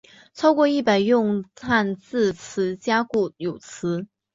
超过一百用汉字词加固有词。